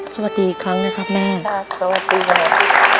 สวัสดีอีกครั้งนะครับแม่สวัสดีครับ